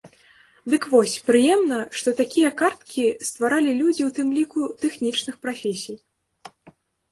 Дык вось, прыемна, што такія карткі стваралі людзі ў тым ліку тэхнічных прафесій.